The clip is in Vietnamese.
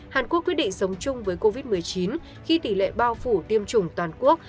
hàn quốc quyết định sống chung với covid một mươi chín khi tỷ lệ bao phủ tiêm chủng toàn quốc